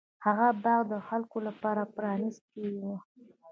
هغه باغ د خلکو لپاره پرانیستی و.